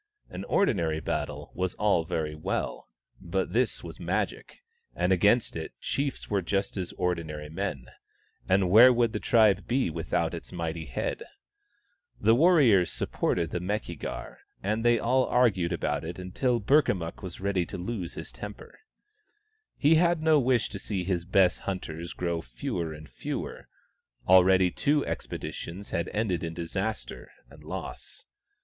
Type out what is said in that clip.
An ordinary battle was all very well, but this was Magic, and against it chiefs were just as ordinary men : and where would the tribe be without its mighty head ? The warriors supported the Meki gar, and they all argued about it until Burkamukk was ready to lose his temper. He had no wish to see his best hunters grow fewer and fewer — already two expeditions had ended in dis aster and loss.